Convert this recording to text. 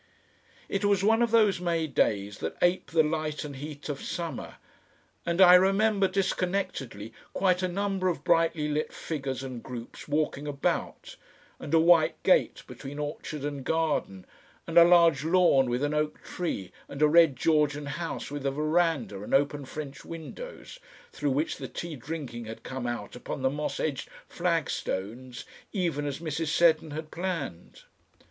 It was one of those May days that ape the light and heat of summer, and I remember disconnectedly quite a number of brightly lit figures and groups walking about, and a white gate between orchard and garden and a large lawn with an oak tree and a red Georgian house with a verandah and open French windows, through which the tea drinking had come out upon the moss edged flagstones even as Mrs. Seddon had planned.